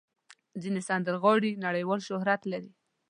ځینې سندرغاړي نړیوال شهرت لري.